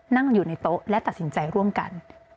นั่งอยู่ในโต๊ะและตัดสินใจร่วมกัน